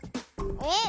えっ？